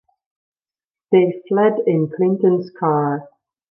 They fled in Clinton's car.